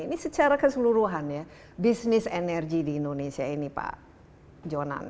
ini secara keseluruhan ya bisnis energi di indonesia ini pak jonan